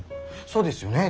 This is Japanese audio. そうですよね？